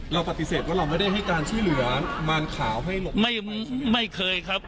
เราปฏิเสธว่าเราไม่ได้ให้การช่วยเหลือมารขาวให้หลบไม่ไม่เคยครับ